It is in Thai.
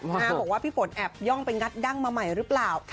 บอกว่าพี่ฝนแอบย่องไปงัดดั้งมาใหม่หรือเปล่า